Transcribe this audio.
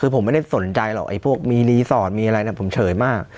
คือผมไม่ได้สนใจหรอกไอ้พวกมีรีสอร์ทมีอะไรผมเฉยมาก